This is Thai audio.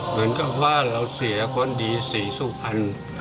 เหมือนกับว่าเราเสียคนดีศรีสุพรรณ